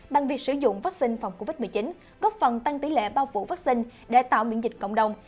bằng việc sử dụng vaccine phòng covid một mươi chín góp phần tăng tỷ lệ bao phủ phát sinh để tạo miễn dịch cộng đồng